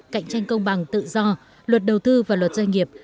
cạnh tranh công bằng tự do luật đầu tư và luật doanh nghiệp